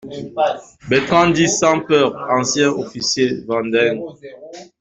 BERTRAND dit SANS-PEUR, ancien officier vendéen.